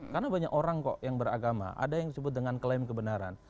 karena banyak orang kok yang beragama ada yang disebut dengan klaim kebenaran